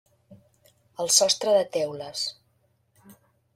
El sostre de teules.